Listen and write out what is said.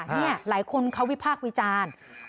นี่หลายคนเขาวิพากษ์วิจารณ์